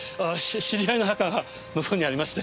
知り合いの墓が向こうにありまして。